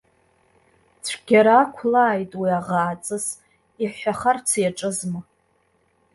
Цәгьара ақәлааит уи аӷааҵыс, иҳәахарц иаҿызма?!